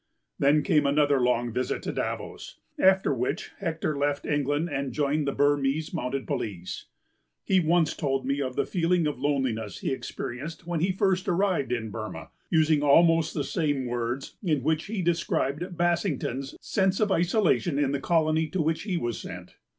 Then came another long visit to Davos, after which Hector left England and joined the Burmese Mounted Police. He once told me of the feeling of loneliness he experienced when he first arrived in Burmah, using almost the same words in which he described Bassington's sense of isolation in the colony to which he was sent.